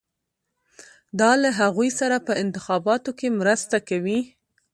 دا له هغوی سره په انتخاباتو کې مرسته کوي.